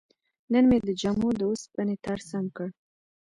نن مې د جامو د وسپنې تار سم کړ.